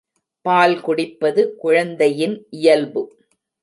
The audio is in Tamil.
பால் குடிப்பது குழந்தையின் இயல்பு.